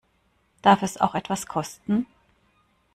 Darf es auch etwas kosten?